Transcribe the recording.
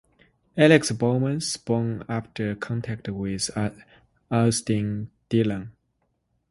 Alex Bowman spun after contact with Austin Dillon.